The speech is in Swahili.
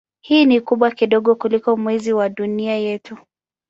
Hii ni kubwa kidogo kuliko Mwezi wa Dunia yetu.